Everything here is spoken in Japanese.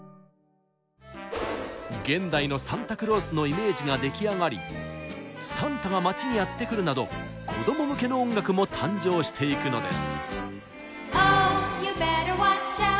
現代のサンタクロースのイメージが出来上がり「サンタが街にやってくる」など子ども向けの音楽も誕生していくのです。